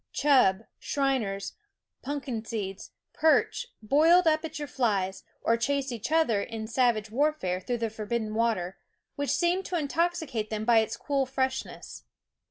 Chub, shiners, " punkin seeds," perch, boiled up at your flies, or chased each other in sav age warfare through the forbidden water, which seemed to intoxicate them by its cool freshness.